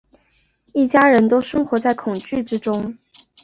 一家人都生活在恐惧之中